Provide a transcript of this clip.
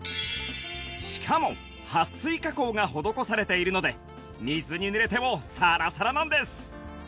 しかもはっ水加工が施されているので水にぬれてもサラサラなんです